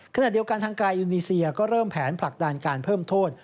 ขณะเดียวกันทางกายอินีเซียก็เริ่มแผนผลักดันการเพิ่มโทษ